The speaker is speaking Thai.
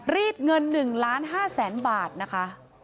รีดเงิน๑ล้าน๕แสนบาทนะคะ